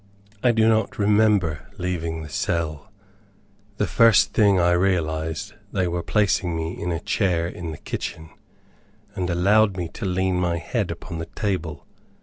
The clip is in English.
I do not remember leaving the cell. The first thing I realized they were placing me in a chair in the kitchen, and allowed me to lean my head upon the table.